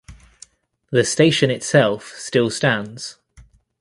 The station itself still stands.